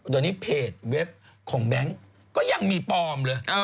เดี๋ยวนี้เพจเว็บของแบงค์ก็ยังมีปลอมเลย